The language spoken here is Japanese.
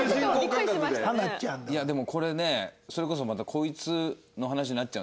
いやでもこれねそれこそまた。